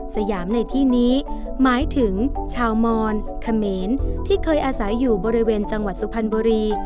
สยามในที่นี้หมายถึงชาวมอนเขมรที่เคยอาศัยอยู่บริเวณจังหวัดสุพรรณบุรี